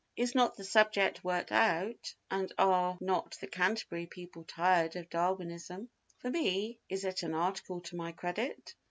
Is not the subject worked out, and are not the Canterbury people tired of Darwinism? For me—is it an article to my credit?